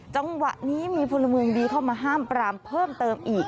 จังหวะนี้มีพลเมืองดีเข้ามาห้ามปรามเพิ่มเติมอีก